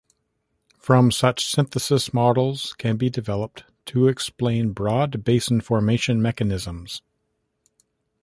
From such syntheses models can be developed to explain broad basin formation mechanisms.